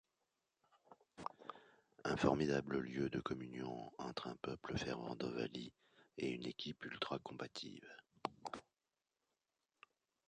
Un formidable lieu de communion entre un peuple fervent d'ovalie et une équipe ultracombative.